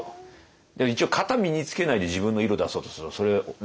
でも一応型身につけないで自分の色出そうとするとそれね。